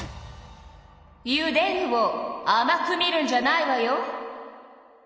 「ゆでる」をあまく見るんじゃないわよ！